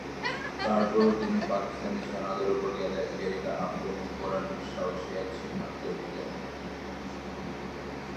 তার পরও তিনি পাকিস্তানি সেনাদের ওপর গেরিলা আক্রমণ করার দুঃসাহসী এক সিদ্ধান্ত নিলেন।